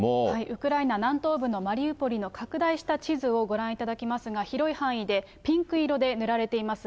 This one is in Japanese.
ウクライナ南東部のマリウポリの拡大した地図をご覧いただきますが、広い範囲でピンク色で塗られています。